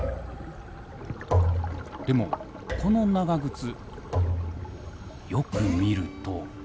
でもこの長靴よく見ると。